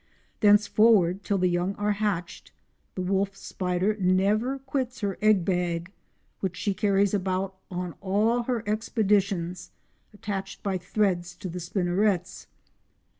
Thenceforward, till the young are hatched, the wolf spider never quits her egg bag, which she carries about on all her expeditions attached by threads to the spinnerets.